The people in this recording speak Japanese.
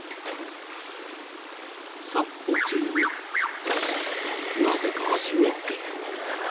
散歩中になぜか足をピーン！